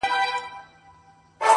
زه ولاړ یم پر ساحل باندي زنګېږم!.